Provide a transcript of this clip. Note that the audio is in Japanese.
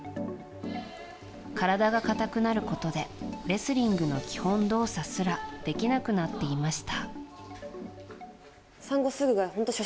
体が硬くなることでレスリングの基本動作すらできなくなっていました。